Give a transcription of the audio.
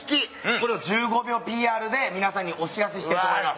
これを１５秒ＰＲで皆さんにお知らせしたいと思います。